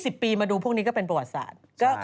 สิบปีมาดูพวกนี้ก็เป็นประวัติศาสตร์